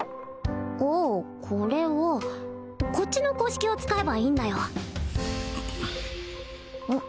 あこれはこっちの公式を使えばいいんだようん？